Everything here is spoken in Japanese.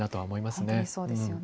本当にそうですよね。